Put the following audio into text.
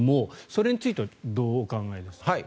それについてはどうお考えですか？